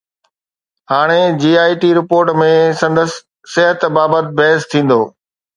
هاڻي J I T report ۾ سندس صحت بابت بحث ٿيندو